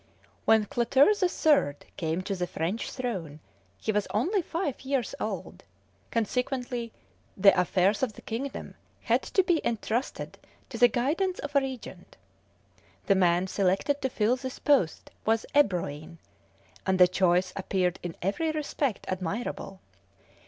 When Clotaire the Third came to the French throne he was only five years old; consequently the affairs of the kingdom had to be entrusted to the guidance of a regent. The man selected to fill this post was Ebroin, and the choice appeared in every respect admirable.